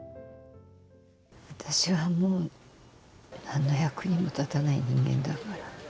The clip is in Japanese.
私はもうなんの役にも立たない人間だから。